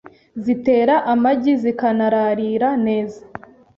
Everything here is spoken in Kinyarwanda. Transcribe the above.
zitera amagi zikanararira neza